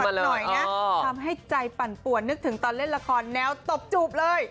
หน่อยนะทำให้ใจปั่นป่วนนึกถึงตอนเล่นละครแนวตบจูบเลย